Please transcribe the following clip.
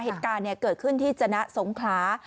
เหตุการณ์เกิดขึ้นที่จนะสงขลา